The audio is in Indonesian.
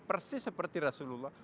persis seperti rasulullah